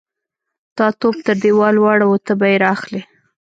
_تا توپ تر دېوال واړاوه، ته به يې را اخلې.